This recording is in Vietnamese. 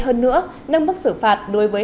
hơn nữa nâng mức xử phạt đối với